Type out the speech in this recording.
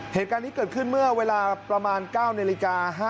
เหตุการณ์นี้เกิดขึ้นเมื่อเวลาประมาณ๙นาฬิกา